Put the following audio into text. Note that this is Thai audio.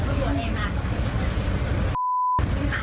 พ่อยนั้นอ่ะ